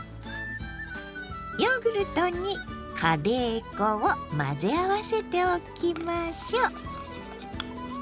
ヨーグルトにカレー粉を混ぜ合わせておきましょう。